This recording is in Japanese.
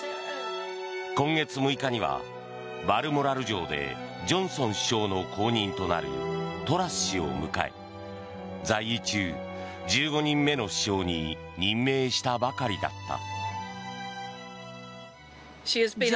今月６日にはバルモラル城でジョンソン首相の後任となるトラス氏を迎え在位中１５人目の首相に任命したばかりだった。